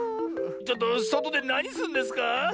ちょっとそとでなにすんですか？